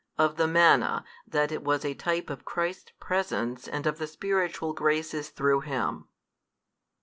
Of the manna, that it was a type of Christ's Presence and of the spiritual graces through Him.